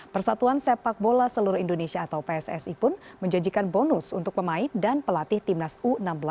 persatuan sepak bola seluruh indonesia atau pssi pun menjanjikan bonus untuk pemain dan pelatih timnas u enam belas